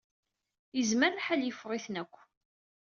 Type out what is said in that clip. Yezmer lḥal yeffeɣ-iten akk.